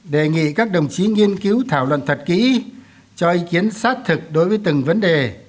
đề nghị các đồng chí nghiên cứu thảo luận thật kỹ cho ý kiến sát thực đối với từng vấn đề